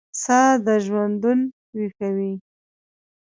ساه دژوندون ویښوي